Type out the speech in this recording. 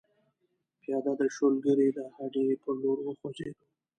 پیاده د شولګرې د هډې پر لور وخوځېدو.